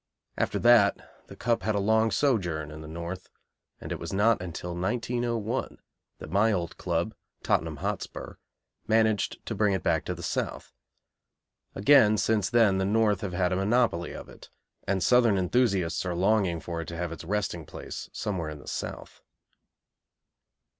After that the Cup had a long sojourn in the North, and it was not until 1901 that my old club, Tottenham Hotspur, managed to bring it back to the South. Again, since then, the North have had a monopoly of it, and Southern enthusiasts are longing for it to have its resting place somewhere in the South.